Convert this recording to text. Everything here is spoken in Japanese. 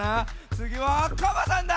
つぎはカバさんだ！